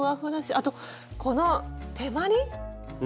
あとこの手まり。